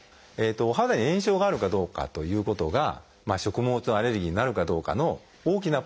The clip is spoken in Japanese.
お肌に炎症があるかどうかということが食物アレルギーになるかどうかの大きなポイントになるんですね。